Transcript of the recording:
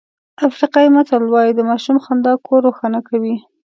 افریقایي متل وایي د ماشوم خندا کور روښانه کوي.